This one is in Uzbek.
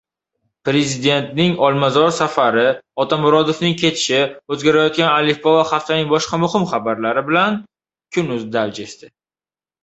Prezidentning Olmazor safari, Otamurodovning ketishi, o‘zgarayotgan alifbo va haftaning boshqa muhim xabarlari